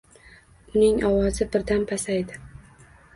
Uning ovozi birdan pasaydi.